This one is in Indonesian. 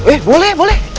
eh boleh boleh